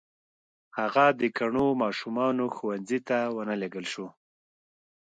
هغه د کڼو ماشومانو ښوونځي ته و نه لېږل شو.